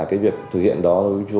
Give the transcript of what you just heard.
cái việc thực hiện đó